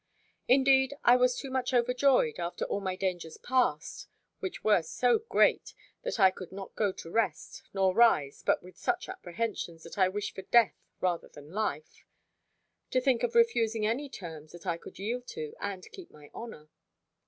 Indeed, I was too much overjoyed, after all my dangers past (which were so great, that I could not go to rest, nor rise, but with such apprehensions, that I wished for death rather than life), to think of refusing any terms that I could yield to, and keep my honour.